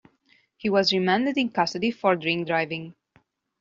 He was remanded in custody for drink driving.